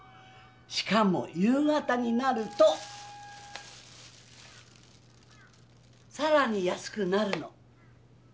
しかも夕方になるとさらに安くなるの！